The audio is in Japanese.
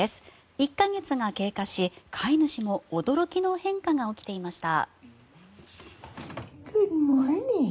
１か月が経過し、飼い主も驚きの変化が起きていました。